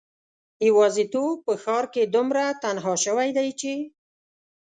یوازیتوب په ښار کې دومره تنها شوی دی چې